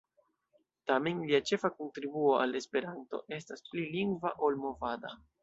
Tamen, lia ĉefa kontribuo al Esperanto estas pli lingva ol movada.